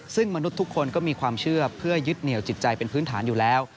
ซึ่งมนุษย์ทุกคนก็มีความเชื่อเพื่อยึดเหนียวจิตใจเป็นพื้นฐานอยู่แล้ว